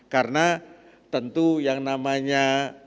karena tentu yang namanya